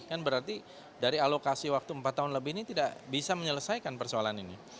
kan berarti dari alokasi waktu empat tahun lebih ini tidak bisa menyelesaikan persoalan ini